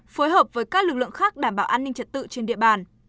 phối hợp với các lực lượng khác đảm bảo an ninh trật tự trên địa bàn